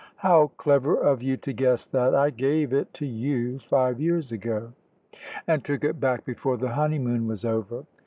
"How clever of you to guess that! I gave it to you five years ago." "And took it back before the honeymoon was over."